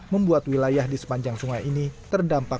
membuat wilayah di sepanjang sungai ini terdampak